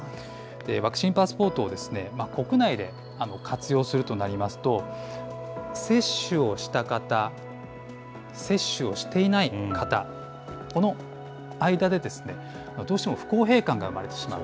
ワクチンパスポートを国内で活用するとなりますと、接種をした方、接種をしていない方、この間で、どうしても不公平感が生まれてしまう。